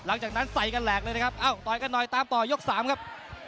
หลังจากนั้นใส่กันแหลกเลยนะครับเอ้าต่อยกันหน่อยตามต่อยก๓ครับ